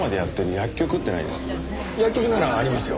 薬局ならありますよ。